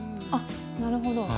あなるほど。